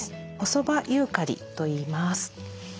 細葉ユーカリといいます。